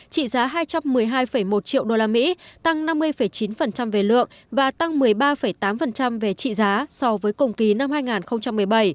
trị giá hai trăm một mươi hai một triệu usd tăng năm mươi chín về lượng và tăng một mươi ba tám về trị giá so với cùng kỳ năm hai nghìn một mươi bảy